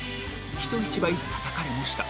人一倍たたかれもした